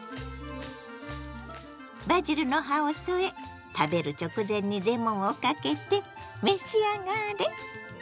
バジルの葉を添え食べる直前にレモンをかけて召し上がれ！